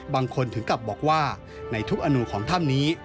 ถึงกลับบอกว่าในทุกอนุของถ้ำนี้